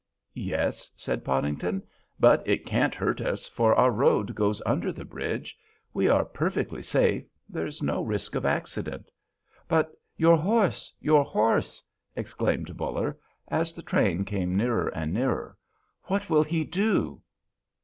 "Yes," said Podington, "but it can't hurt us, for our road goes under the bridge; we are perfectly safe; there is no risk of accident." "But your horse! Your horse!" exclaimed Buller, as the train came nearer and nearer. "What will he do?"